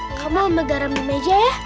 kamu sama garam di meja ya